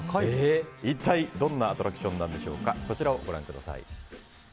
一体どんなアトラクションなんでしょうか。